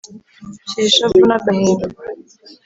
Shira ishavu n'agahinda